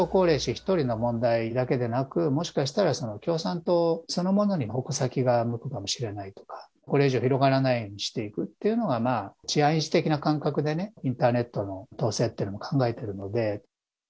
一人の問題だけでなく、もしかしたら共産党そのものに矛先が向くかもしれないとか、これ以上広がらないようにしていくっていうのが、治安維持的な感覚でね、インターネットの統制というのを考えているので。